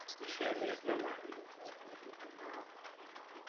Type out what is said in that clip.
Zachována zůstala jen část zastavení.